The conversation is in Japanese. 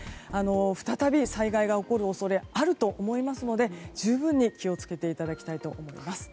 再び災害が起こる恐れがあると思いますので十分に気を付けていただきたいと思います。